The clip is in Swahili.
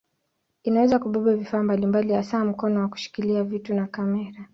Inaweza kubeba vifaa mbalimbali hasa mkono wa kushikilia vitu na kamera.